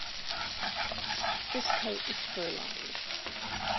This coat is fur-lined.